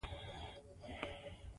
ځان مې له یاده وتلی و او تل مې دې